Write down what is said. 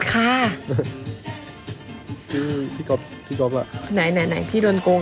ไหนไหนไหนพี่โดนโกง